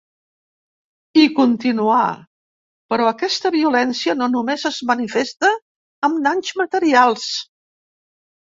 I continuà: Però aquesta violència no només es manifesta amb danys materials.